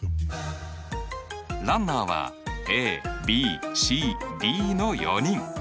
ランナーはＡＢＣＤの４人。